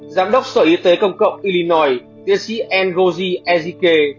giám đốc sở y tế công cộng illinois tiến sĩ ngozi ejike